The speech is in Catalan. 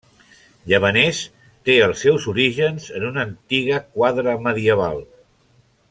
Llavaners té els seus orígens en una antiga quadra medieval.